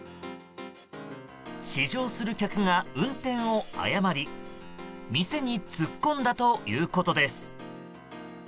試乗する客が運転を誤り店に突っ込んだということです。